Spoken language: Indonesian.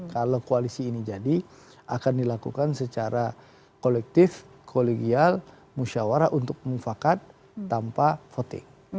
kalau koalisi ini jadi akan dilakukan secara kolektif kolegial musyawarah untuk mufakat tanpa voting